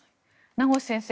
名越先生